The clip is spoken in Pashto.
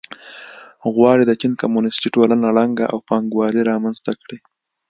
غواړي د چین کمونېستي ټولنه ړنګه او پانګوالي رامنځته کړي.